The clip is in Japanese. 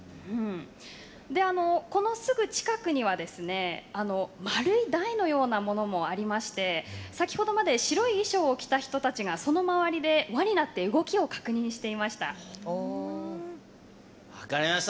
このすぐ近くには丸い台のようなものもありまして先ほどまで白い衣装を着た人たちがその周りで輪になって動きを確認していました。